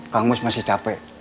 kang mus masih capek